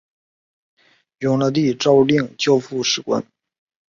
永乐帝诏令交付史官。